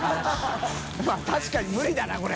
泙確かに無理だなこれ。